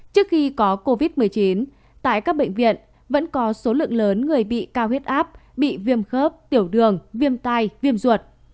trước khi có covid một mươi chín tại các bệnh viện vẫn có số lượng lớn người bị cao huyết áp bị viêm khớp tiểu đường viêm tai viêm ruột